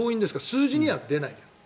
数字には出ないけど。